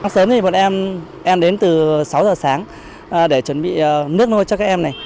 sớm thì mọi em đến từ sáu giờ sáng để chuẩn bị nước nuôi cho các em này